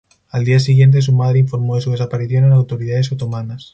Al día siguiente, su madre informó de su desaparición a las autoridades otomanas.